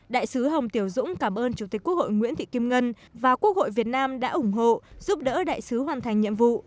đại sứ hồng tiểu dũng cảm ơn chủ tịch quốc hội nguyễn thị kim ngân và quốc hội việt nam đã ủng hộ giúp đỡ đại sứ hoàn thành nhiệm vụ